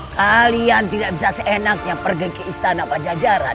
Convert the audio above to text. kalian tidak bisa seenaknya pergi ke istana pajajaran